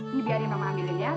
ini biarin mama ambil ya